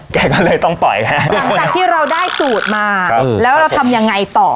แกก็เลยต้องปล่อยให้หลังจากที่เราได้สูตรมาครับแล้วเราทำยังไงต่อ